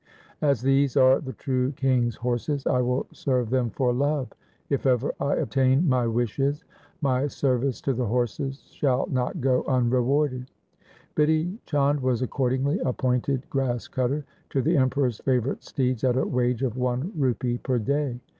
As these are the true King's horses, I will serve them for love. If ever I obtain my wishes, my service to the horses shall not go unrewarded.' Bidhi Chand was accordingly appointed grass cutter to the Emperor's favourite steeds at a wage of one rupee per day.